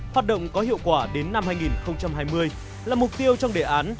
hoạt động có hiệu quả đến năm hai nghìn hai mươi là mục tiêu trong đề án